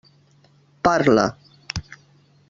Parla.